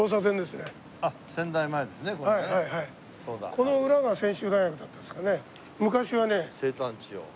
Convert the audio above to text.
この裏が専修大学だったんですかね。